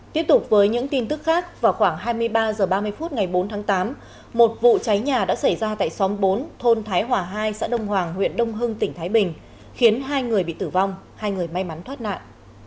tiếp tục với những tin tức khác vào khoảng hai mươi ba h ba mươi phút ngày bốn tháng tám một vụ cháy nhà đã xảy ra tại xóm bốn thôn thái hòa hai xã đông hoàng huyện đông hưng tỉnh thái bình khiến hai người bị tử vong hai người may mắn thoát nạn